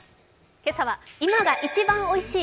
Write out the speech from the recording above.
今朝は、「今が一番おいしい！